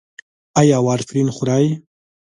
ایا وارفرین خورئ؟